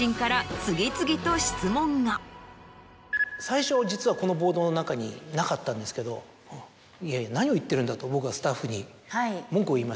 最初実はこのボードの中になかったんですけどいや何を言っているんだと僕はスタッフに文句を言いまして。